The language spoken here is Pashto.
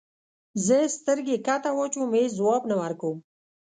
زه سترګې کښته واچوم هیڅ ځواب نه ورکوم.